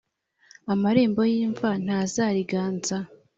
amarembo y’imva ntazariganza